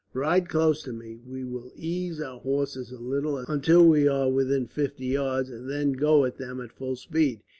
Ride close to me. We will ease our horses a little, until we are within fifty yards, and then go at them at full speed.